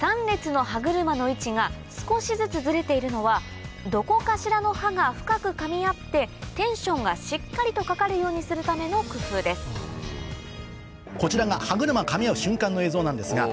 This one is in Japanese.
３列の歯車の位置が少しずつずれているのはどこかしらの歯が深くかみ合ってテンションがしっかりとかかるようにするための工夫です